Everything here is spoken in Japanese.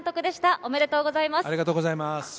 ありがとうございます。